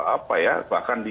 apa ya bahkan